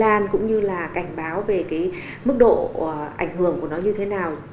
lan cũng như là cảnh báo về mức độ ảnh hưởng của nó như thế nào